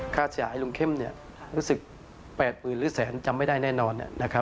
ค่าเสียหายลุงเข้มรู้สึก๘๐๐๐หรือแสนจำไม่ได้แน่นอน